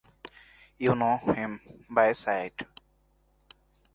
You know him by sight.